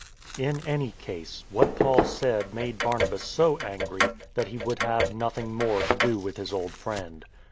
In any case, what Paul said made Barnabas so angry that he would have nothing more to do with his old friend.